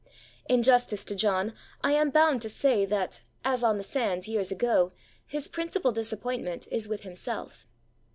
In justice to John I am bound to say that, as on the sands years ago, his principal disappointment is with himself.